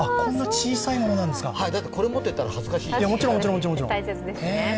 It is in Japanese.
だって、これを持っていったら恥ずかしい。